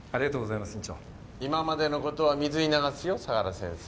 今までの事は水に流すよ相良先生。